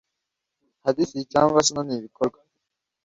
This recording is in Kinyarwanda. hadisi cyangwa suna n ibikorwa